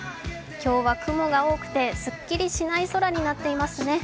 今日は雲が多くてすっきりしない空になっていますね。